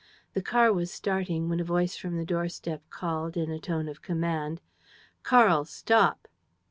The car was starting, when a voice from the doorstep called, in a tone of command: "Karl! Stop!"